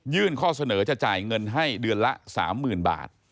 ข้อเสนอจะจ่ายเงินให้เดือนละ๓๐๐๐บาท